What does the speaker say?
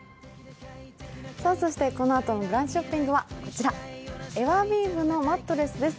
このあとのブランチショッピングはこちら、エアウィーヴのマットレスです。